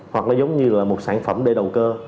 hoặc nó giống như là một sản phẩm để đầu cơ